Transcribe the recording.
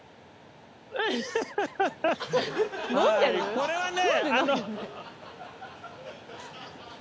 これはね。